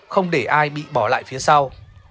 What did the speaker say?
không để ai bị bỏ lại phía sau